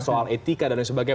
soal etika dan sebagainya